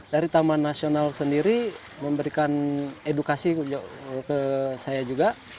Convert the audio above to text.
dari taman nasional sendiri memberikan edukasi ke saya juga